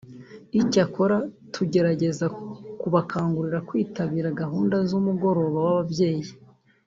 Icyakora tugerageza kubakangurira kwitabira gahunda z’umugoroba w’ababyeyi